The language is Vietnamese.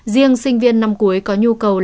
riêng sinh viên năm cuối có nhu cầu làm học trực tiếp